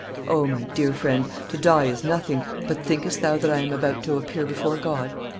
O, my dear friend, to die is nothing; but thinkest thou that I am about to appear before God?